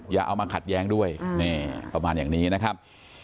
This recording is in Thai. อย่าเอามาขัดแย้งด้วยนี่ประมาณอย่างนี้นะครับ